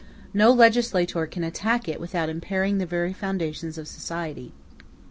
No legislator can attack it without impairing the very foundations of society.